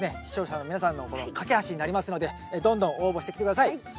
視聴者の皆さんのこの懸け橋になりますのでどんどん応募してきて下さい。